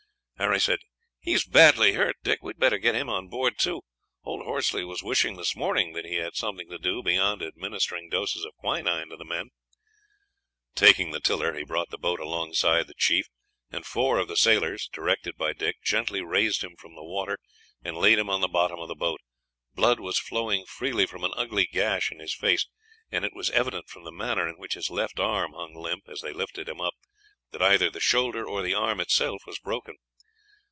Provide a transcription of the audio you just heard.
"He is badly hurt, Dick; we had better get him on board, too. Old Horsley was wishing this morning that he had something to do beyond administering doses of quinine to the men." Taking the tiller, he brought the boat alongside the chief, and four of the sailors, directed by Dick, gently raised him from the water and laid him on the bottom of the boat. Blood was flowing freely from an ugly gash in his face, and it was evident from the manner in which his left arm hung limp, as they lifted him up, that either the shoulder or the arm itself was broken.